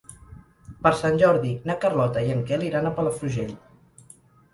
Per Sant Jordi na Carlota i en Quel iran a Palafrugell.